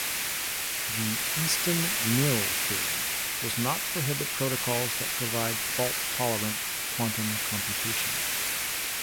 The Eastin–Knill theorem does not prohibit protocols that provide fault tolerant quantum computation.